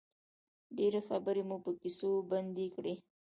ډېرې خبرې مو په کیسو پنډې کړې.